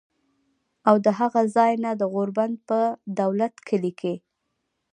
او د هغه ځائے نه د غور بند پۀ دولت کلي کښې